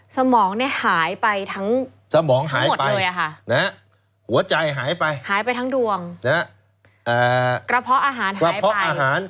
สมองหายไปทั้งหมดเลยค่ะหัวใจหายไปหายไปทั้งดวงกระเพาะอาหารหายไป